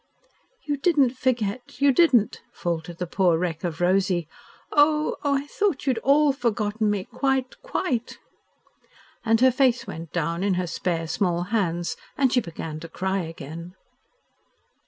"You didn't forget? You didn't?" faltered the poor wreck of Rosy. "Oh! Oh! I thought you had all forgotten me quite quite!" And her face went down in her spare, small hands, and she began to cry again.